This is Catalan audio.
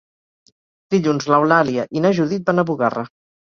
Dilluns n'Eulàlia i na Judit van a Bugarra.